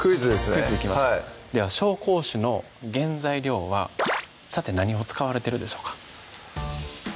クイズいきましょうでは紹興酒の原材料はさて何を使われてるでしょうか？